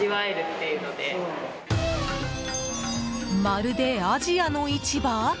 まるで、アジアの市場？